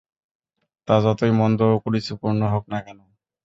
তা যতই মন্দ ও কুরুচীপূর্ণ হোক না কেন।